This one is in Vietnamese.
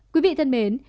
quý vị thân mến